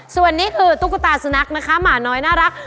ส่วนนี้คือตุ๊กตาสุนัขนะคะหมาน้อยน่ารัก